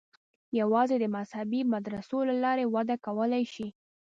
یوازې د مذهبي مدرسو له لارې وده کولای شي.